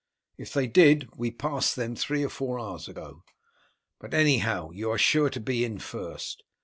If they did, we passed them three or four hours ago. But anyhow you are sure to be in first.